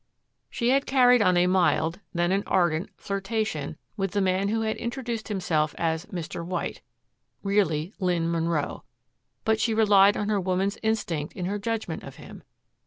She had carried on a mild, then an ardent, flirtation with the man who had introduced himself as "Mr. White" really Lynn Munro. But she relied on her woman's instinct in her judgment of him.